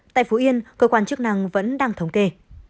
tại phú yên cơ quan chức năng vẫn đang thống kê